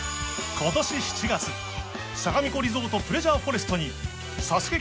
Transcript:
今年７月さがみ湖リゾートプレジャーフォレストにＳＡＳＵＫＥ